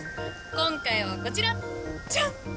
今回はこちら、じゃん！